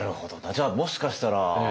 じゃあもしかしたらね